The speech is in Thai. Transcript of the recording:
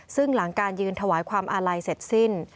ซึ่งหลังการยืนถวายความอาลัยเสร็จสิ้น